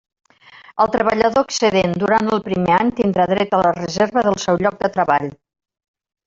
El treballador excedent durant el primer any tindrà dret a la reserva del seu lloc de treball.